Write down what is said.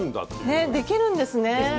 ねえできるんですね。